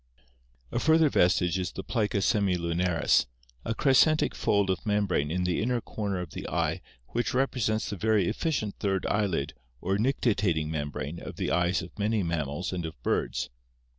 A further vestige is the plica semilunaris, a crescentic fold of membrane in the inner corner of the eye which represents the very efficient third eyelid or nictitating membrane of the eyes of many mammals and of birds.